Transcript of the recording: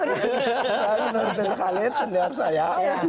menurut saya senyawa saya